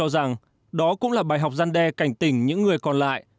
ông cho rằng đó cũng là bài học gian đe cảnh tỉnh những người còn lại